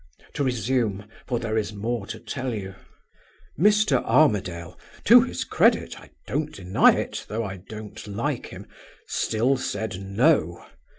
"To resume, for there is more to tell you. "Mr. Armadale (to his credit I don't deny it, though I don't like him) still said No.